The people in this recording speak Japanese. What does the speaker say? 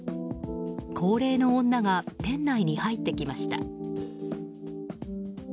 高齢の女が店内に入ってきました。